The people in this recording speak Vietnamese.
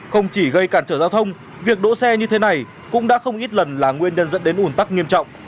không chỉ gây cản trở giao thông việc đỗ xe như thế này cũng đã không ít lần là nguyên nhân dẫn đến ủn tắc nghiêm trọng